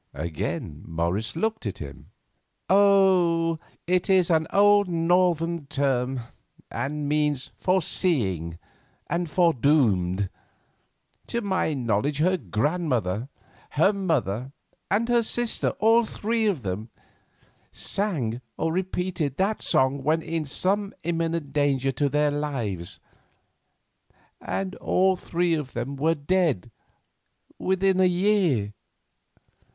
Again Morris looked at him. "Oh, it is an old northern term, and means foreseeing, and foredoomed. To my knowledge her grandmother, her mother, and her sister, all three of them, sang or repeated that song when in some imminent danger to their lives, and all three of them were dead within the year.